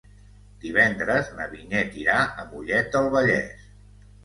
Divendres na Vinyet irà a Mollet del Vallès.